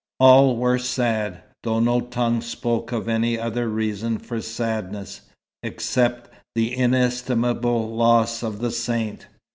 All were sad, though no tongue spoke of any other reason for sadness, except the inestimable loss of the Saint.